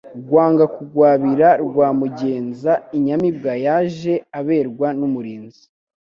Rwanga kugwabira rwa Mugenza, inyamibwa yaje aberwa n'umurinzi,